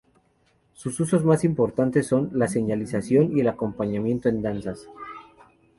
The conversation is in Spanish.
Sus usos más importantes son la señalización y el acompañamiento en danzas.